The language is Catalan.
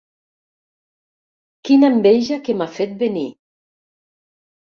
Quina enveja que m'ha fet venir!